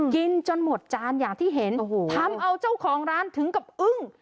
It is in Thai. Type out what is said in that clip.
จนหมดจานอย่างที่เห็นทำเอาเจ้าของร้านถึงกับอึ้ง